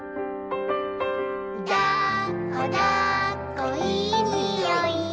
「だっこだっこいいにおい」